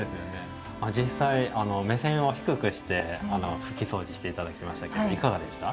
実際目線を低くして拭きそうじして頂きましたけどいかがでした？